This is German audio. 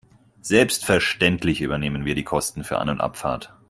Selbstverständlich übernehmen wir die Kosten für An- und Abfahrt.